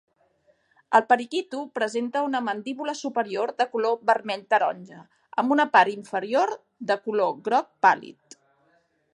El periquito presenta una mandíbula superior de color vermell-taronja amb una part inferior de color groc pàl·lid.